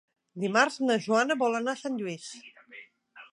Dimarts na Joana vol anar a Sant Lluís.